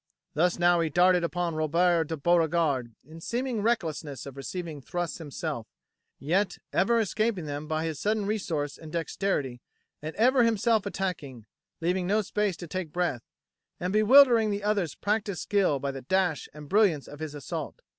Thus now he darted upon Robert de Beauregard, in seeming recklessness of receiving thrusts himself, yet ever escaping them by his sudden resource and dexterity and ever himself attacking, leaving no space to take breath, and bewildering the other's practised skill by the dash and brilliance of his assault.